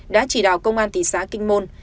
đã chỉ đào công an thị xã kinh môn